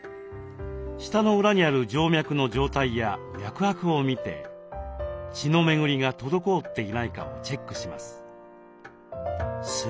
舌の裏にある静脈の状態や脈拍をみて血の巡りが滞っていないかをチェックします。